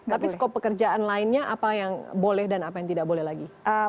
tapi skop pekerjaan lainnya apa yang boleh dan apa yang tidak boleh lagi